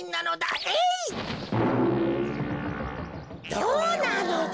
どうなのだ。